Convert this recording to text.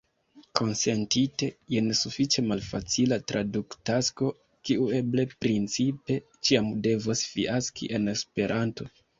Konsentite, jen sufiĉe malfacila traduktasko, kiu eble principe ĉiam devos fiaski en Esperanto.